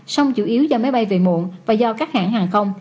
song chủ yếu do máy bay về muộn và do các hãng hàng không